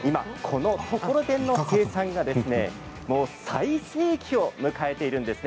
このところてんの生産が最盛期を迎えているんです。